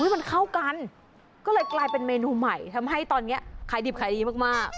มันเข้ากันก็เลยกลายเป็นเมนูใหม่ทำให้ตอนนี้ขายดิบขายดีมาก